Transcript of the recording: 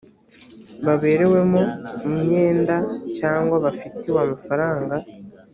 baberewemo imyenda cyangwa bafitiwe amafaranga